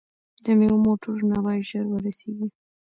د میوو موټرونه باید ژر ورسیږي.